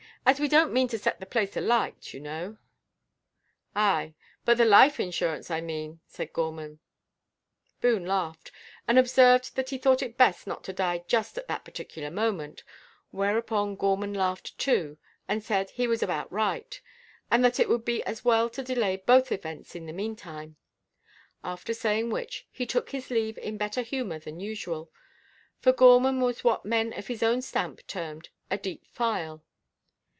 As we don't mean to set the place alight, you know." "Ay, but the life insurance, I mean," said Gorman. Boone laughed, and observed that he thought it best not to die just at that particular time, whereupon Gorman laughed, too, and said he was about right, and that it would be as well to delay both events in the meantime; after saying which, he took his leave in better humour than usual, for Gorman was what men of his own stamp termed a "deep file."